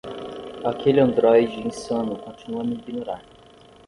Aquele androide insano continua a me ignorar.